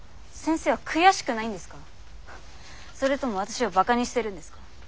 それとも私をバカにしてるんですか？